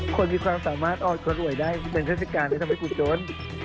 คนมีความสามารถอ้อนโคลด่วยได้เป็นรัฐการณ์จะทำให้กูโจร